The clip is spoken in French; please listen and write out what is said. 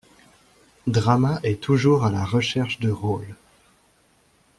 Drama est toujours à la recherche de rôles.